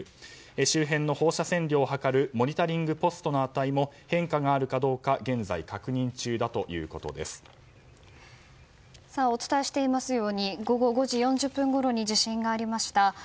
周辺の放射線量を測るモニタリングポストの値も変化があるかどうかお伝えしていますように午後５時４０分ごろに地震がありました。